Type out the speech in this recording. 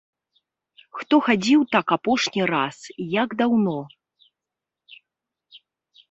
Хто хадзіў так апошні раз і як даўно?